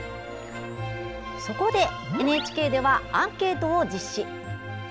そこでＮＨＫではアンケートを実施。